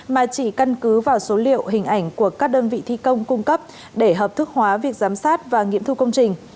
mà chỉ căn cứ vào số liệu hình ảnh của các đơn vị thi công cung cấp để hợp thức hóa việc giám sát và nghiệm thu công trình